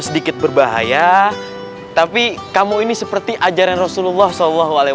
sedikit berbahaya tapi kamu ini seperti ajaran rasulullah shallallahu alaihi wasallam